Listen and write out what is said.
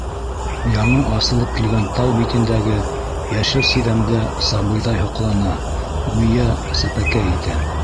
Яңы асылып килгән тау битендәге йәшел сиҙәмгә сабыйҙай һоҡлана, гүйә, сәпәкәй итә.